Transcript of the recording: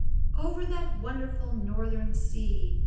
Over that wonderful northern sea.